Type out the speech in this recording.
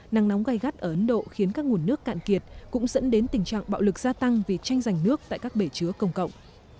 nắng nóng gai gắt ở ấn độ khiến các nguồn nước cạn kiệt cũng dẫn đến tình trạng bạo lực gia tăng vì tranh giành nước tại các bể chứa công cộng